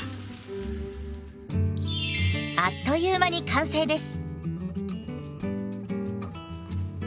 あっという間に完成です。